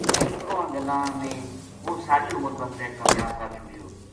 اِنھ ترواں گلاں نے وہ ساری عمر بسطے کامیاب کر چھوڈیو